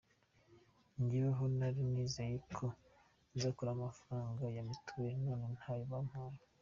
Njyewe ho nari nizeye ko nzakuramo amafaranga ya mituweli, none ntayo bampaye.